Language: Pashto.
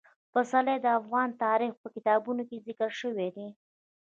پسرلی د افغان تاریخ په کتابونو کې ذکر شوی دي.